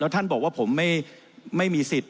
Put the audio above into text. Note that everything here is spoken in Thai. ท่านบอกว่าผมไม่มีสิทธิ์